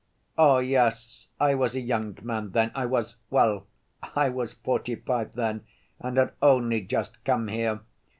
"Oh, yes, I was a young man then.... I was ... well, I was forty‐five then, and had only just come here.